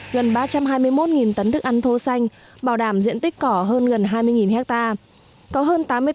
gần ba trăm hai mươi một tấn thức ăn thô xanh bảo đảm diện tích cỏ hơn gần hai mươi hectare